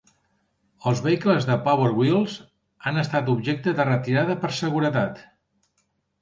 Els vehicles de Power Wheels han estat objecte de retirada per seguretat.